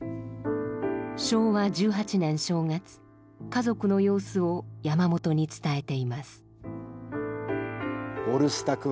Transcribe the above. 昭和１８年正月家族の様子を山本に伝えています。